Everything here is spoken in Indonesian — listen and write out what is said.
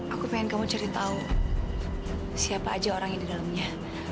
aku pengen kamu cari tahu siapa aja orang yang di dalamnya